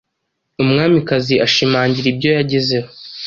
Umwamikazi ashimangira ibyo yagezeho